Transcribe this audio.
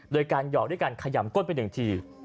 โดยการหยอกด้วยการขยำก้นไปหนึ่งที